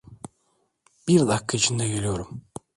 Bir dakika içinde geliyorum.